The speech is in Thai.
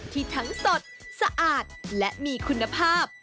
ที่ทั้งสดสะอาดและมีคุณภาพ